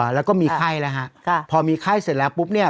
แล้วก็มีไข้แล้วฮะพอมีไข้เสร็จแล้วปุ๊บเนี่ย